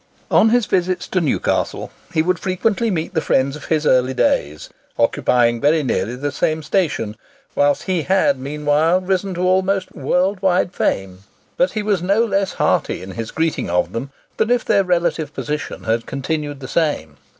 On his visit to Newcastle, he would frequently meet the friends of his early days, occupying very nearly the same station, whilst he had meanwhile risen to almost world wide fame. But he was no less hearty in his greeting of them than if their relative position had continued the same.